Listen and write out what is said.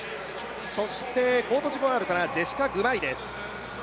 そしてコートジボアールからジェシカ・グバイです。